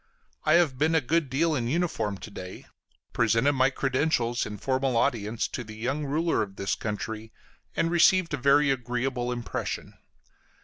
I have been a good deal in uniform to day; presented my credentials, in formal audience, to the young ruler of this country, and received a very agreeable impression.